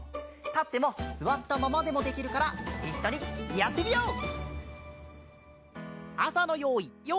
たってもすわったままでもできるからいっしょにやってみよう！